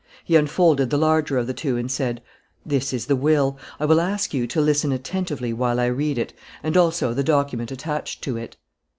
He unfolded the larger of the two and said: "This is the will. I will ask you to listen attentively while I read it and also the document attached to it."